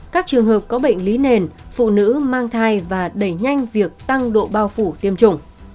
các trường hợp có bệnh lý nền phụ nữ mang thai và đẩy nhanh việc tăng độ bao phủ tiêm chủng